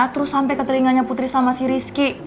terus sampai ke telinganya putri sama si rizky